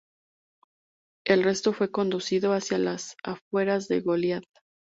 El resto fue conducido hacia las afueras de Goliad.